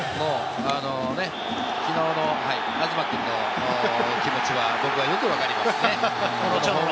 きのうの東君のね、気持ちは僕はよくわかります。